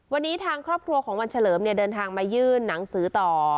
วันนี้ทางครอบครัวของวันเฉลิมเดินทางมายื่นหนังสือต่อ